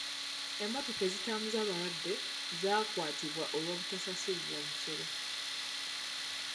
Emmotoka ezitambuza abalwadde zaakwatibwa olw'obutasasulibwa musolo.